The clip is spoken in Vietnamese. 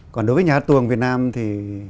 còn đối với nhát tuồng việt nam thì